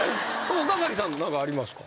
岡崎さん何かありますか？